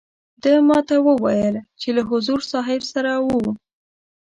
ده ما ته وویل چې له حضور صاحب سره وو.